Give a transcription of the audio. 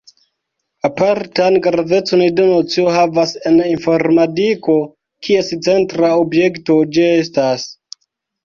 Apartan gravecon la nocio havas en informadiko, kies centra objekto ĝi estas.